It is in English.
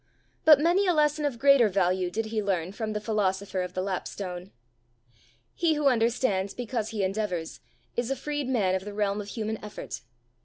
But many a lesson of greater value did he learn from the philosopher of the lapstone. He who understands because he endeavours, is a freed man of the realm of human effort.